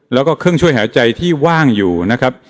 แล้วก็เครื่องช่วยหายใจที่ว่างอยู่นะครับ